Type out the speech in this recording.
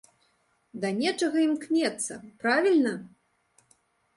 Да нечага імкнецца, правільна?